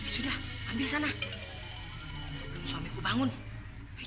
sudah ambil sana sebelum suamiku bangun